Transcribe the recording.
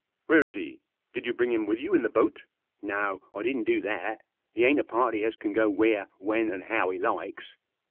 " Where is he ? Did you bring him with you in the boat?" " No, I didn't do that. He ain't a party as can go where, when, and how he likes.